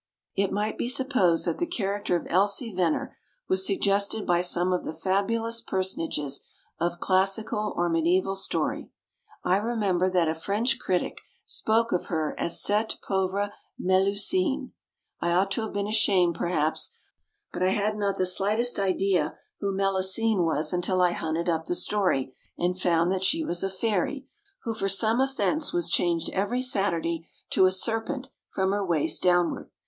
It might be supposed that the character of Elsie Veneer was suggested by some of the fabulous personages of classical or mediaeval story. I remember that a French critic spoke of her as cette pauvre Melusine. I ought to have been ashamed, perhaps, but I had, not the slightest idea who Melusina was until I hunted up the story, and found that she was a fairy, who for some offence was changed every Saturday to a serpent from her waist downward.